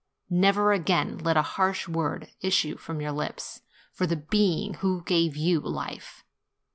Never again let a harsh word issue from your lips, for the being who gave you life.